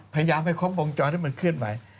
พยายามให้ครบวงจรให้มันเคลื่อนไหว